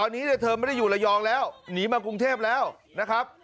นีมากรุงเทพแล้วนะครับ